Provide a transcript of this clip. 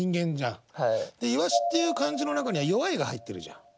「鰯」っていう漢字の中には「弱い」が入ってるじゃん。